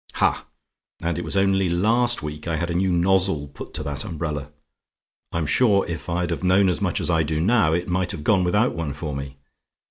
"Ha! and it was only last week I had a new nozzle put to that umbrella. I'm sure, if I'd have known as much as I do now, it might have gone without one for me.